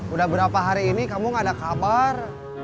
udah berapa hari ini kamu gak ada kabar